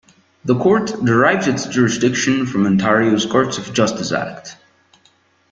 The court derives its jurisdiction from Ontario's "Courts of Justice Act".